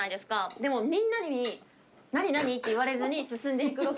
でもみんなに「何？何？」って言われずに進んでいくロケ。